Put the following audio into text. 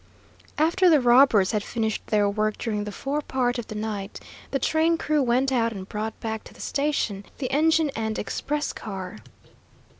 After the robbers had finished their work during the fore part of the night, the train crew went out and brought back to the station the engine and express car.